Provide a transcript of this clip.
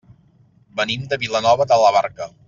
Venim de Vilanova de la Barca.